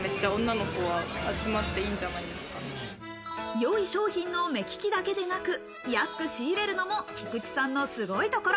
良い商品の目利きだけでなく、安く仕入れるのも菊池さんのすごいところ。